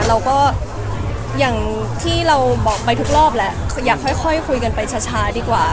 เราก็บอกไปทุกรอบว่าอย่าค่อยคุยกันไปช้าดีกว่า